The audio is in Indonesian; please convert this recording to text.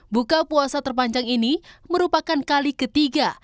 buka puasa terpanjang ini merupakan kali ketiga